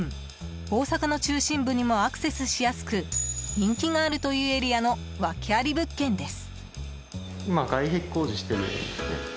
大阪の中心部にもアクセスしやすく人気があるというエリアのワケあり物件です。